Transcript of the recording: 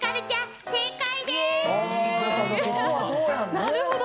なるほど。